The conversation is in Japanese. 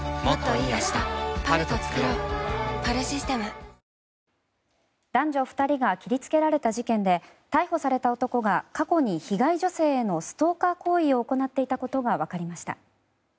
ハイ「タコハイ」男女２人が切りつけられた事件で逮捕された男が過去に被害女性へのストーカー行為を行っていたことがわかりました。